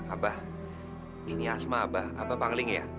abah ini asma abah abah pangling ya